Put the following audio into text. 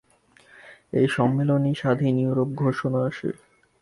এই সম্মেলনেই স্বাধীন ইউরোপ ঘোষণা আসে।